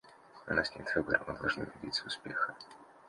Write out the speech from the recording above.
У нас нет выбора; мы должны добиться успеха.